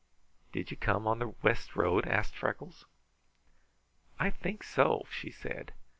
"Did you come on the west road?" asked Freckles. "I think so," she said.